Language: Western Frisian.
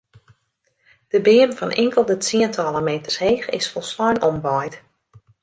De beam fan inkelde tsientallen meters heech is folslein omwaaid.